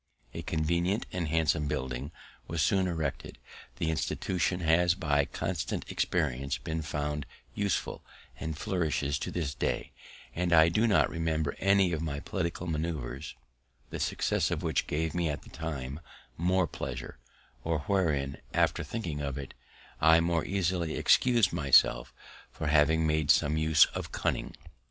A convenient and handsome building was soon erected; the institution has by constant experience been found useful, and flourishes to this day; and I do not remember any of my political manoeuvers, the success of which gave me at the time more pleasure, or wherein, after thinking of it, I more easily excus'd myself for having made some use of cunning.